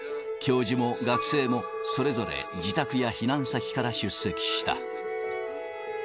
教授も学生も、それぞれ自宅や避難先から出席した。